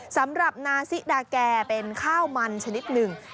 สำหรับนาซิดาแกเป็นข้าวมันชนิดหนึ่ง